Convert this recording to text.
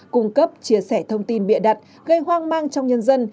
cung cấp chia sẻ thông tin bịa đặt gây hoang mang trong nhân dân